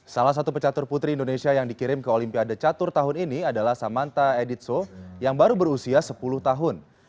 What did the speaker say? salah satu pecatur putri indonesia yang dikirim ke olimpiade catur tahun ini adalah samanta editso yang baru berusia sepuluh tahun